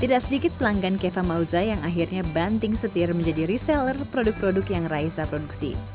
tidak sedikit pelanggan keva mauza yang akhirnya banting setir menjadi reseller produk produk yang raisa produksi